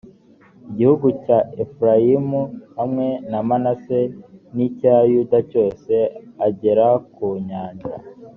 igihugu cya efurayimu hamwe na manase, n’icya yuda cyose, agera ku nyanja